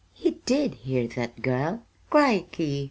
He did hear that girl. Crickey!